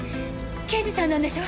刑事さんなんでしょ！？